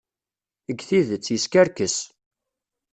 Deg tidet, yeskerkes.